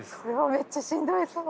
めっちゃしんどそう。